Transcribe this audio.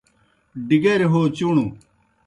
ڈِگریْ ہو چُݨوْ